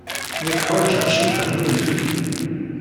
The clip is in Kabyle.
Nekk ḥwajeɣ ciṭṭaḥ n uyefki.